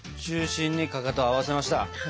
中心にかかとを合わせました。